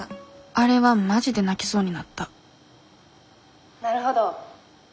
あれはマジで泣きそうになった「なるほど」。